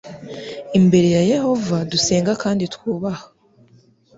imbere ya yehova dusenga kandi twubaha